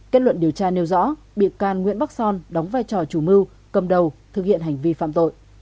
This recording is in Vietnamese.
kết luận điều tra nêu rõ bị can nguyễn bắc son đóng vai trò chủ mưu cầm đầu thực hiện hành vi phạm tội